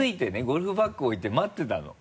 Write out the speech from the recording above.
ゴルフバッグ置いて待ってたの。